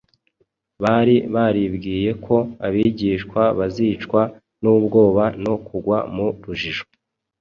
Bari baribwiye ko abigishwa bazicwa n’ubwoba no kugwa mu rujijo